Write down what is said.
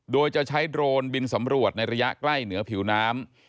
โดยจะใช้โดรนบินสำรวจในระยะใกล้เหนือผิวน้ำ